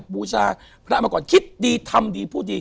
บูชาพระมาก่อนคิดดีทำดีพูดดี